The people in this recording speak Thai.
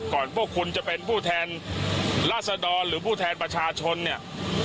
พวกคุณจะเป็นผู้แทนราษดรหรือผู้แทนประชาชนเนี่ย